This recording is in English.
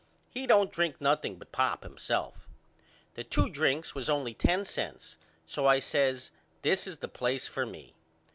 He don't drink nothing but pop himself. The two drinks was only ten cents so I says This is the place for me.